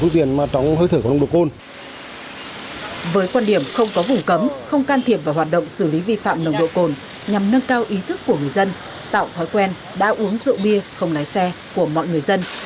với quan điểm không có vùng cấm không can thiệp vào hoạt động xử lý vi phạm nồng độ cồn nhằm nâng cao ý thức của người dân tạo thói quen đã uống rượu bia không lái xe của mọi người dân